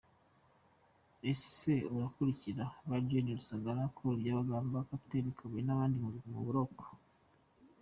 Ese arakurikira ba Gen Rusagara, Col Byabagamba, Capt Kabuye n’abandi mu buroko?